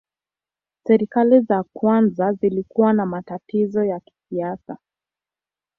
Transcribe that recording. Serikali za kwanza zilikuwa na matatizo ya kisiasa.